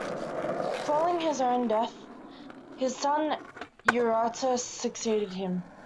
Following his own death, his son Eurotas succeeded him.